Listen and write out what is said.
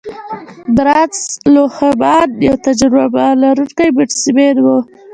مارنس لوهمان یو تجربه لرونکی بیټسمېن وو.